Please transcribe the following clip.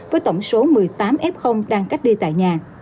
với tổng số một mươi tám f đang cách ly tại nhà